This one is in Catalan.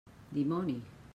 Dimoni!